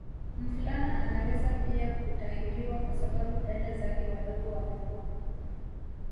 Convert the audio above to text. Mvulana anaweza pia kutahiriwa kwa sababu dada zake wadogo wamekua